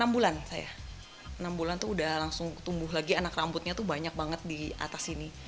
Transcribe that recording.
enam bulan itu sudah langsung tumbuh lagi anak rambutnya banyak banget di atas sini